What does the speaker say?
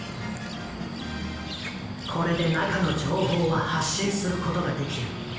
これで中の情報は発信することができる。